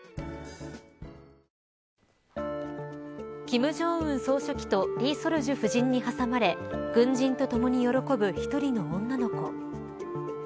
金正恩総書記と李雪主夫人に挟まれ軍人とともに喜ぶ１人の女の子。